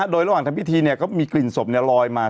โดยระหว่างทำพิธีก็มีกลิ่นศพลอยมา